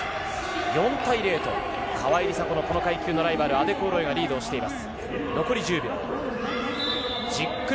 ４対０と川井梨紗子のライバル、アデクオロエがリードしています。